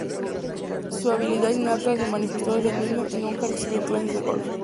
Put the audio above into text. Su habilidad innata se manifestó desde niño y nunca recibió clases de golf.